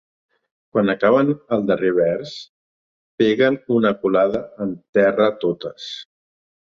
Quan acaben el darrer vers, peguen una culada en terra totes.